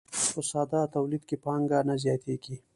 په ساده تولید کې پانګه نه زیاتېږي